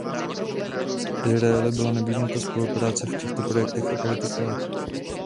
Izraeli byla nabídnuta spolupráce v těchto projektech a politikách.